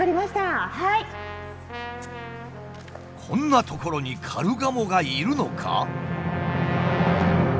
こんな所にカルガモがいるのか？